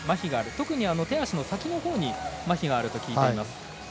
特に手足の先のほうにまひがあると聞いています。